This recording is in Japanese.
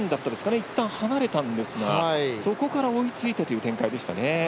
いったん、離れたんですがそこから追いついてという展開でしたね。